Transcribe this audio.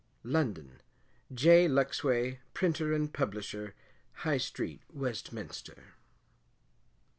London: J. Lucksway, Printer and Publisher, High Street, Westminster.